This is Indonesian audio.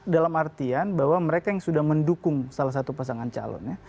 dalam artian bahwa mereka yang sudah mendukung salah satu pasangan calon ya